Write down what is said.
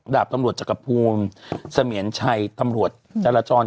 ดาบตำรวจจักรภูมิเสมียนชัยตำรวจจราจร